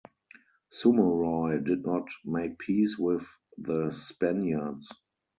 Sumoroy did not make peace with the Spaniards.